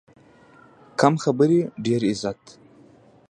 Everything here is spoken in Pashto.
کم خبرې، ډېر عزت.